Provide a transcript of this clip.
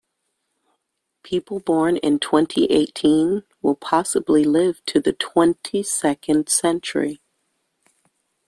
People born in twenty-eighteen will possibly live into the twenty-second century.